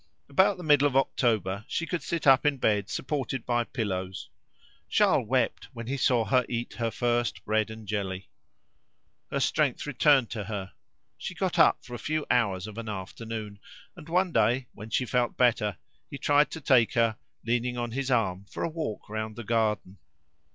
About the middle of October she could sit up in bed supported by pillows. Charles wept when he saw her eat her first bread and jelly. Her strength returned to her; she got up for a few hours of an afternoon, and one day, when she felt better, he tried to take her, leaning on his arm, for a walk round the garden.